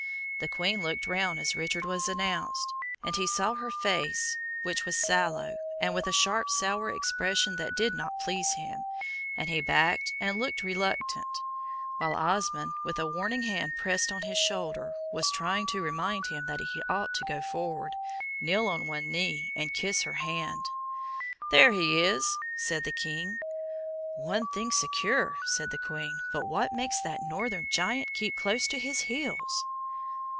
The Queen looked round, as Richard was announced, and he saw her face, which was sallow, and with a sharp sour expression that did not please him, and he backed and looked reluctant, while Osmond, with a warning hand pressed on his shoulder, was trying to remind him that he ought to go forward, kneel on one knee, and kiss her hand. "There he is," said the King. "One thing secure!" said the Queen; "but what makes that northern giant keep close to his heels?"